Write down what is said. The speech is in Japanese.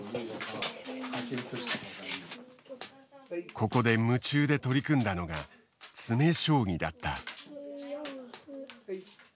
ここで夢中で取り組んだのが詰将棋だった。